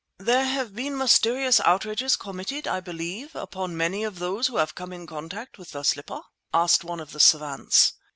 "There have been mysterious outrages committed, I believe, upon many of those who have come in contact with the slipper?" asked one of the savants.